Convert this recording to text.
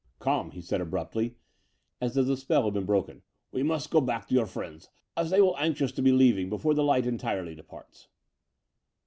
"Come/* he said abruptly, as though the spell had been broken, '* we must go back to your friends as they will be anxious to be leaving before the light entirely dejiarts."